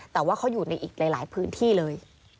แต่ว่าเขาอยู่ในอีกหลายพื้นที่เลย